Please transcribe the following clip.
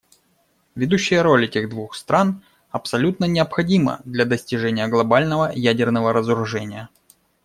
Ведущая роль этих двух стран абсолютно необходима для достижения глобального ядерного разоружения.